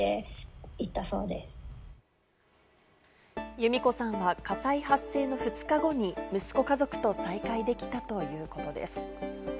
由美子さんは火災発生の２日後に息子家族と再会できたということです。